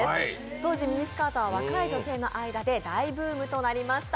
当時、ミニスカートは若い女性の間で大ブームとなりました。